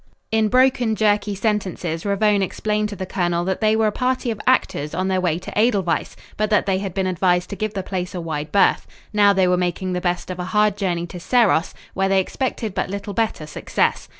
In broken, jerky sentences, Ravone explained to the colonel that they were a party of actors on their way to Edelweiss, but that they had been advised to give the place a wide berth. Now they were making the best of a hard journey to Serros, where they expected but little better success.